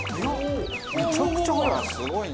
めちゃくちゃ早い！